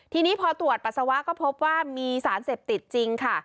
ทีนี้พอตรวจปัสสาวะก็พบว่ามีสารเสพติดจริงค่ะ